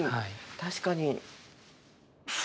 確かに。